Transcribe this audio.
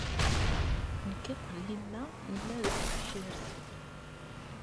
Nekk akked yemma nella deg tebḥirt.